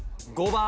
５番？